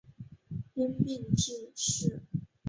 因病致仕。